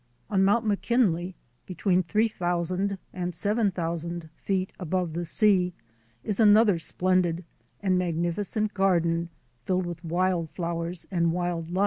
On Mount McKinley, between three thousand and seven thousand feet above the sea, is another splendid and magnificent garden filled with wild flowers and wild life.